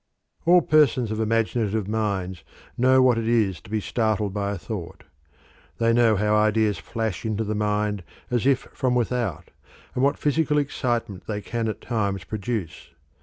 All persons of imaginative minds know what it is to be startled by a thought; they know how ideas flash into the mind as if from without, and what physical excitement they can at times produce.